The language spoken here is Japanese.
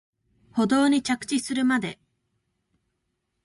舗道に着地するまで